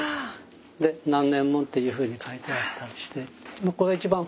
で「何年もん」っていうふうに書いてあったりして。